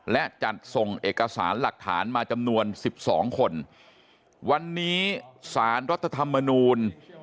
และจัดส่งเอกสารหลักฐานมาจำนวนสิบสองคนวันนี้สารรัฐธรรมนูล